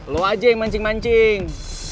lo aja yang mancing mancing